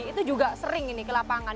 itu juga sering ini ke lapangan